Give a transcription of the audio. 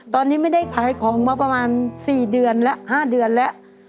ตอนนี้ไม่ได้ขายของมาประมาณ๔๕เดือนแล้ว